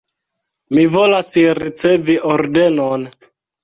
Mi volas ricevi ordenon.